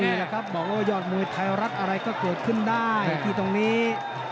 นี่แหละครับบอกว่ายอดมวยไทยรัฐอะไรก็เกิดขึ้นได้ที่ตรงนี้